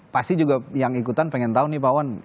pasti juga yang ikutan pengen tahu nih pak wan